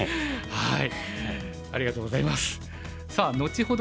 はい。